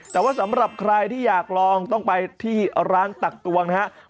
แต่ว่าสำหรับใครที่อยากลองต้องไปที่ร้านตักตวงนะครับ